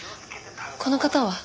この方は？